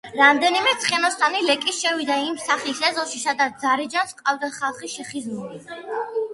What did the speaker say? რამდენიმე ცხენოსანი ლეკი შევიდა იმ სახლის ეზოში, სადაც დარეჯანს ჰყავდა ხალხი შეხიზნული.